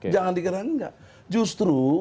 jangan dikenal gak justru